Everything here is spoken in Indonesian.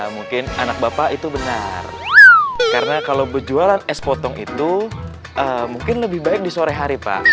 mungkin anak bapak itu benar karena kalau berjualan es potong itu mungkin lebih baik di sore hari pak